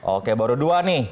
oke baru dua nih